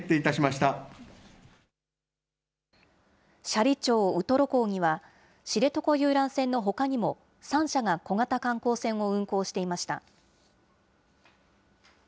斜里町ウトロ港には、知床遊覧船のほかにも、３社が小型観光船を運航していました。